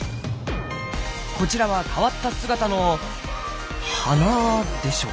こちらは変わった姿の花でしょうか？